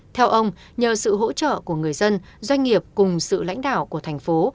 theo ông nhờ sự hỗ trợ của người dân doanh nghiệp cùng sự lãnh đạo của thành phố